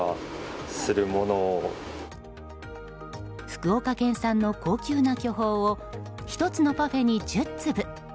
福岡県産の高級な巨峰を１つのパフェに１０粒。